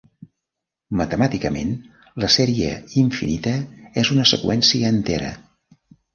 Matemàticament, la sèrie infinita és una seqüència entera.